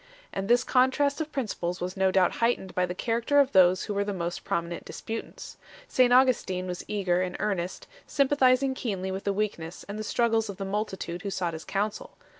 And this contrast of principles was no doubt heightened by the character of those who were the most prominent disputants. St Augustin was eager and earnest, sympathizing keenly with the weakness and the struggles of the multitude who sought his counsel.